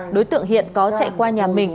đối tượng hiện có chạy qua nhà mình